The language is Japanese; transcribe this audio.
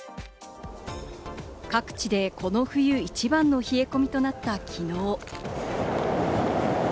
各地でこの冬一番の冷え込みとなった昨日。